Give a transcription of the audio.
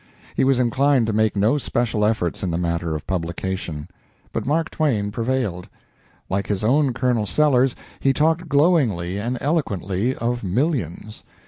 He was inclined to make no special efforts in the matter of publication. But Mark Twain prevailed. Like his own Colonel Sellers, he talked glowingly and eloquently of millions.